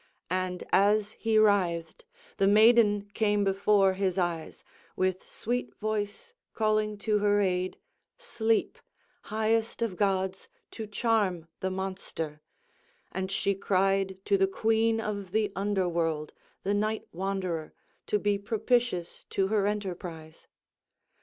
And as he writhed, the maiden came before his eyes, with sweet voice calling to her aid sleep, highest of gods, to charm the monster; and she cried to the queen of the underworld, the night wanderer, to be propitious to her enterprise.